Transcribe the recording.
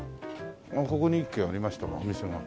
あっここに１軒ありましたがお店が。